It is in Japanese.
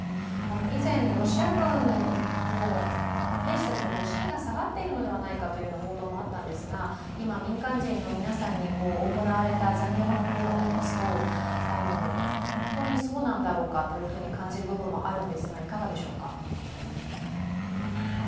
以前、ロシア軍の兵士たちも士気が下がっているのではないかという報道もあったんですが、今、民間人の皆さんに行われた残虐な行動を見ますと本当にそうなんだろうかと感じるところもありますが、いかがでしょうか。